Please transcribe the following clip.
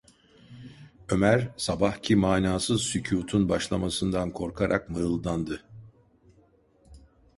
Ömer sabahki manasız sükûtun başlamasından korkarak mırıldandı.